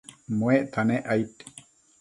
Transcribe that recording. muecta nec aid